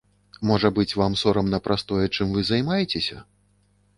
Можа быць, вам сорамна праз тое, чым вы займаецеся?